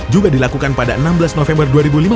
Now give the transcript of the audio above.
juga dilakukan pada enam belas november dua ribu lima belas